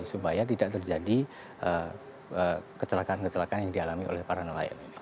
supaya tidak terjadi kecelakaan kecelakaan yang dialami oleh para nelayan ini